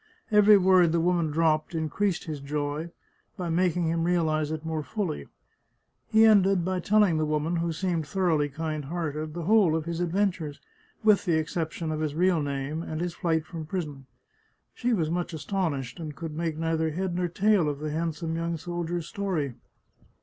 Every word the woman dropped increased his joy, by mak ing him realize it more fully. He ended by telling the woman, who seemed thoroughly kind hearted, the whole of his adventures, with the exception of his real name and his flight from prison. She was much astonished, and could make neither head nor tail of the handsome young soldier's story.